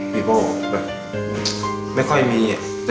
พี่โป้แบบไม่ค่อยมีเนี่ย